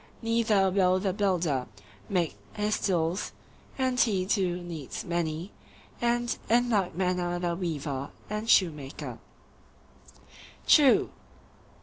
Neither will the builder make his tools—and he too needs many; and in like manner the weaver and shoemaker. True.